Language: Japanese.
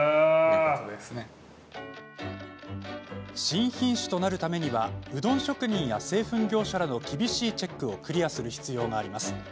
新品種となるためにはうどん職人や製粉業者らの厳しいチェックをクリアする必要があります。